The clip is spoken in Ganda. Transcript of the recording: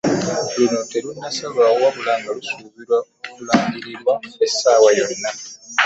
Luno terunnasalwawo wabula nga lusubiirwa okulangirirwa essawa yonna.